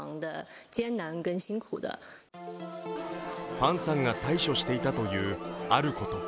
ファンさんが対処していたという、あること。